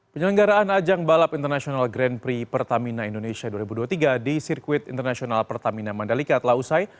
penyelenggaraan ajang balap internasional grand prix pertamina indonesia dua ribu dua puluh tiga di sirkuit internasional pertamina mandalika telah usai